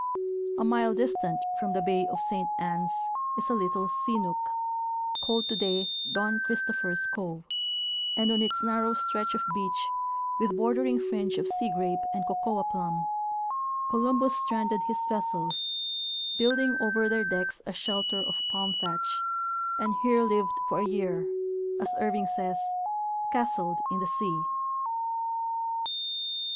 A mile distant from the bay of Saint Anns is a little sea nook, called today Don Christopher's cove, and on its narrow stretch of beach, with bordering fringe of sea grape and cocoa plum, Columbus stranded his vessels, building over their decks a shelter of palm thatch, and here lived for a year, as Irving says, '* castled in the sea."